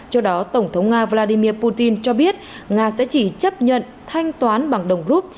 trước đó tổng thống nga vladimir putin cho biết nga sẽ chỉ chấp nhận thanh toán bằng đồng rút